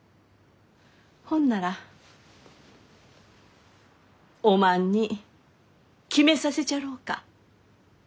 ほんならおまんに決めさせちゃろうか。